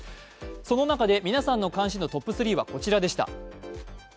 その中で皆さんの関心度トップ３はこちらでした。